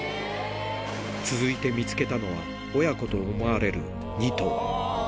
続いて見つけたのは、親子と思われる２頭。